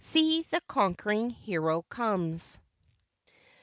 "SEE THE CONQUERING HERO COMES!"